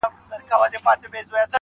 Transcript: ما يادوه چي له چينې سره خبرې کوې